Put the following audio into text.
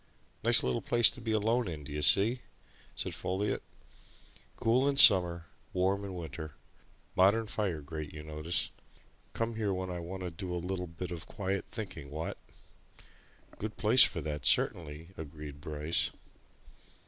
"Nice little place to be alone in, d'ye see?" said Folliot. "Cool in summer warm in winter modern fire grate, you notice. Come here when I want to do a bit of quiet thinking, what?" "Good place for that certainly," agreed Bryce.